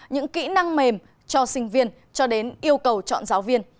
những kỹ năng mềm cho sinh viên cho đến yêu cầu chọn giáo viên